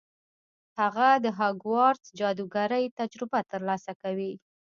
هغه د هاګوارتس جادوګرۍ تجربه ترلاسه کوي.